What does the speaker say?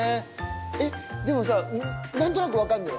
えっでもさ何となく分かんのよ